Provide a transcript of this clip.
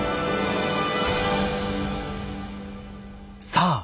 さあ